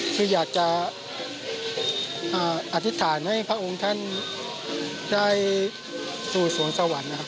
คืออยากจะอธิษฐานให้พระองค์ท่านได้สู่สวงสวรรค์นะครับ